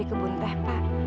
tak ada paham apa